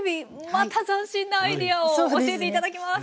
また斬新なアイデアを教えて頂きます。